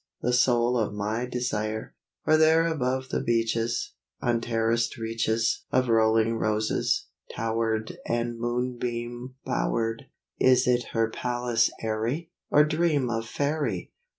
the soul of my desire! III Or there above the beeches, On terraced reaches Of rolling roses, towered And moonbeam bowered, Is it her palace airy? Or dream of Fairy?